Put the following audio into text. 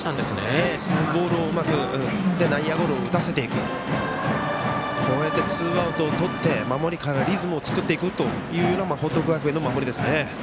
沈むボールをうまく使って内野ゴロを打たせていくこうやってツーアウトをとって守りからリズムを作っていくというのが報徳学園の守りですね。